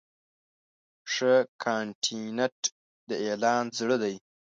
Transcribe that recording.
ښه کانټینټ د اعلان زړه دی.